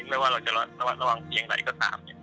ไม่ว่าเราจะระวังเคียงใดก็ตาม